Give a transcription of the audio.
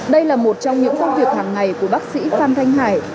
đây là một trong những công việc hàng ngày của bác sĩ phan thanh hải